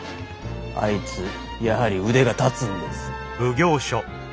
あいつやはり腕が立つんですよ。